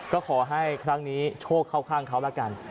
ก็ขอให้ครั้งนี้โชคเข้าข้างเขาแล้วกัน